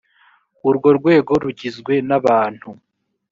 urwo rwego rugizwe n abantu